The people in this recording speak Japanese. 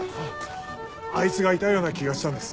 あいつがいたような気がしたんです。